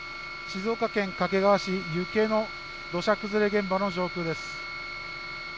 静岡県掛川市遊家の土砂崩れ現場の状況です。